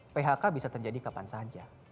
phk bisa terjadi kapan saja